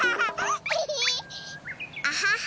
アハハ。